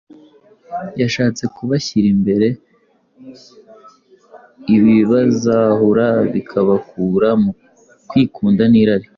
yashatse kubashyira imbere ibibazahura bikabakura mu kwikunda n’irari,